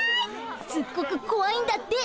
すっごくこわいんだって。